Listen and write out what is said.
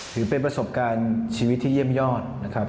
ถือเป็นประสบการณ์ชีวิตที่เยี่ยมยอดนะครับ